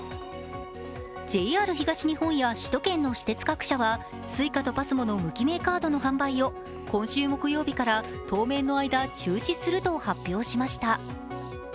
ＪＲ東日本や首都圏の私鉄各社は、ＳｕｉｃａとＰＡＳＭＯの無記名カードの販売を今週木曜日から当面の間、中止すると発表しました。